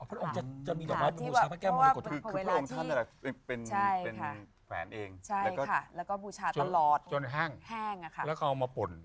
พระองค์จะมีดอกไม้บูชาพระเจ้ามรกฏ